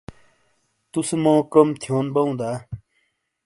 تُوسے مو کروم تھیون بَوں دا؟